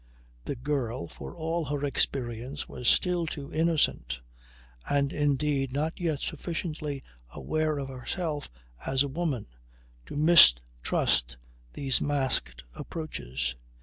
The girl for all her experience was still too innocent, and indeed not yet sufficiently aware of herself as a woman, to mistrust these masked approaches.